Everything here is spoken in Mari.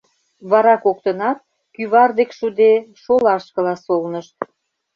Вара коктынат, кӱвар дек шуде, шолашкыла солнышт.